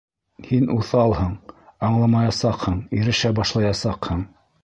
Һин уҫалһың, аңламаясаҡһың, ирешә башлаясаҡһың.